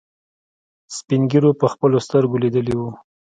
سپينږيرو په خپلو سترګو ليدلي وو.